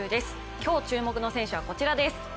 今日、注目の選手はこちらです。